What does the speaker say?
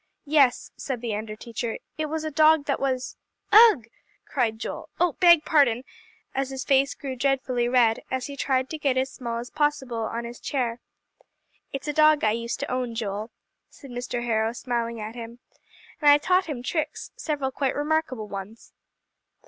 "Yes," said the under teacher, "it was a dog that was " "Ugh!" cried Joel. "Oh, beg pardon," and his face grew dreadfully red, as he tried to get as small as possible on his chair. "It's a dog I used to own, Joel," said Mr. Harrow, smiling at him. "And I taught him tricks, several quite remarkable ones."